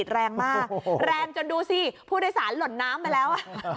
แรงมากแรงจนดูสิผู้โดยสารหล่นน้ำไปแล้ว